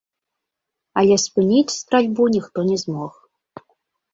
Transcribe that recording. Але спыніць стральбу ніхто не змог.